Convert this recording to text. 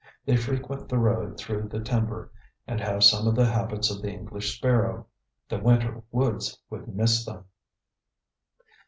They frequent the road through the timber and have some of the habits of the English sparrow. The winter woods would miss them.